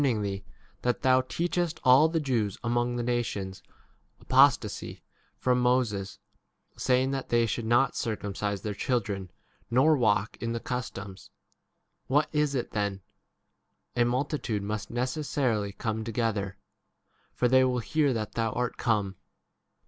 ing thee that thou teachest all the Jews among the nations apostasy from Moses, saying that they should not circumcise their chil dren, nor walk in the customs. 22 What is it then ? a multitude must necessarily come together; for they will hear that thou art 23 come.